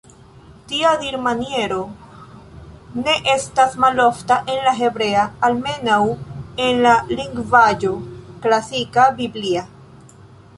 Tia dirmaniero ne estas malofta en la hebrea, almenaŭ en la lingvaĵo klasika, biblia.